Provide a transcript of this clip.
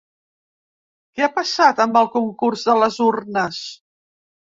Què ha passat amb el concurs de les urnes?